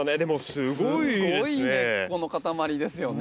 すごい根っこの塊ですよね。